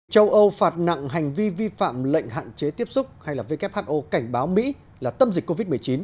châu âu phạt nặng hành vi vi phạm lệnh hạn chế tiếp xúc hay là who cảnh báo mỹ là tâm dịch covid một mươi chín